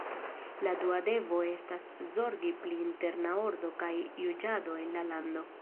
La dua devo estas zorgi pri interna ordo kaj juĝado en la lando.